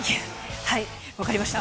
分かりました。